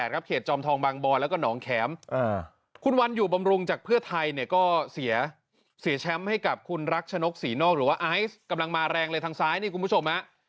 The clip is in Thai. รักชนกศรีนอกหรือว่าไอซ์กำลังมาแรงเลยทางซ้ายนี่คุณผู้ชมน่ะ